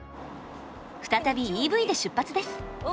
再びＥＶで出発です。